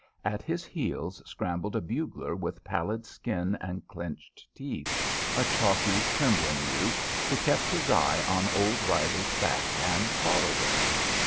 At his heels scrambled a bugler with pallid skin and clenched teeth, a chalky, trembling youth, who kept his eye on old Reilly's back and followed it.